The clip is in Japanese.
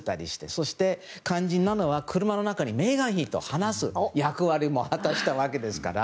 そして、肝心なのは車の中にメーガン妃と話す役割も果たしたわけですから。